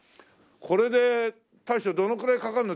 これで大将どのくらいかかるの？